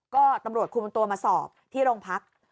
ก็ตำรวจคุมตัวมาสอบที่โรงพัก